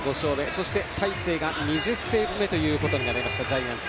そして大勢が２０セーブ目となりましたジャイアンツ。